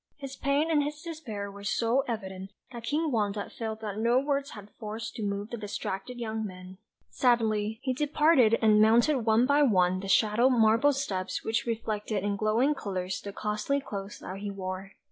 His pain and his despair were so evident, that King Wanda felt that no words had force to move the distracted young man. Sadly he departed, and mounted one by one the shallow marble steps which reflected in glowing colours the costly clothes that he wore.